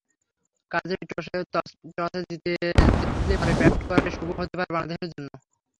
কাজেই টসে জিতলে পরে ব্যাট করাই শুভ হতে পারে বাংলাদেশের জন্য।